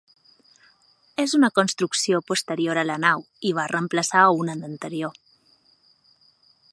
És una construcció posterior a la nau, i va reemplaçar a una d'anterior.